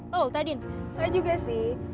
loh luta din saya juga sih